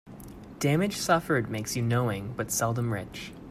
Damage suffered makes you knowing, but seldom rich.